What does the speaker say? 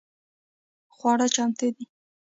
خواړه چمتو دي؟